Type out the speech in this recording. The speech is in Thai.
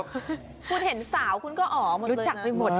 คุณเห็นสาวคุณก็อ๋อรู้จักไปหมด